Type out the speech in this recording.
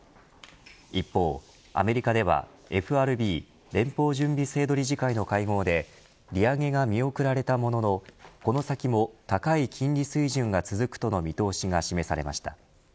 一方、アメリカではＦＲＢ＝連邦準備制度理事会の会合で利上げが見送られたもののこの先も高い金利水準が続くとの見通しが示されました。